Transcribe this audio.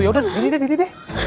ya udah ini deh